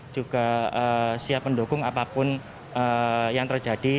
juga siap mendukung apapun yang terjadi